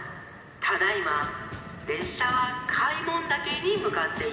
ただいまれっしゃは開聞岳にむかっています。